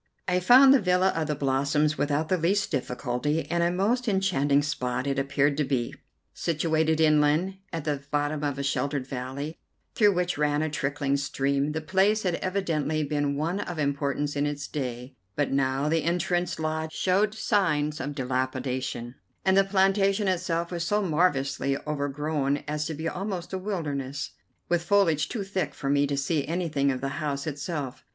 I found the villa of the Blossoms without the least difficulty, and a most enchanting spot it appeared to be. Situated inland, at the bottom of a sheltered valley, through which ran a trickling stream, the place had evidently been one of importance in its day; but now the entrance lodge showed signs of dilapidation, and the plantation itself was so marvellously overgrown as to be almost a wilderness, with foliage too thick for me to see anything of the house itself.